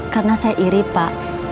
karena saya iri pak